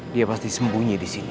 dia pasti sembunyi di sini